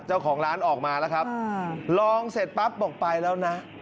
เจ้าของร้านออกมาแล้วครับลองเสร็จปั๊บบอกไปแล้วนะ